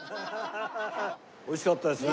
美味しかったですね。